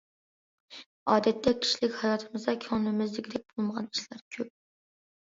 ئادەتتە كىشىلىك ھاياتىمىزدا كۆڭلىمىزدىكىدەك بولمىغان ئىشلار كۆپ.